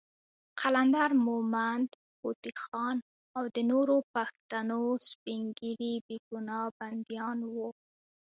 قلندر مومند، هوتي خان، او د نورو پښتنو سپین ږیري بېګناه بندیان وو.